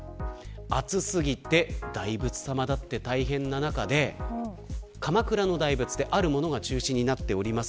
暑すぎて大仏様だって大変な中で鎌倉の大仏であるものが中止になっています。